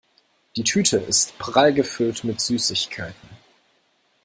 Die Tüte ist prall gefüllt mit Süßigkeiten.